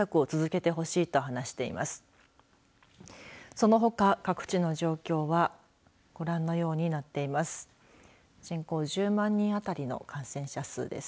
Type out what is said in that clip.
そのほか各地の状況はご覧のようになっています。